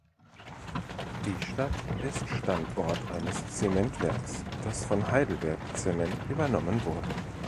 Die Stadt ist Standort eines Zementwerks, das von Heidelberg Cement übernommen wurde.